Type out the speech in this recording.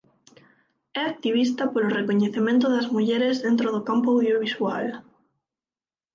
É activista polo recoñecemento das mulleres dentro do campo audiovisual.